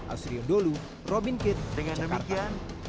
ausriyodolu robin kitt jakarta